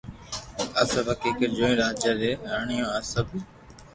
آ سب حقيقت جوئين راجا ري راڻيو آ سب